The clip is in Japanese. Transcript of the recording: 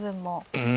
うん